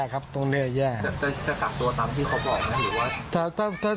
จะกลับตัวตามที่เขาบอกไหม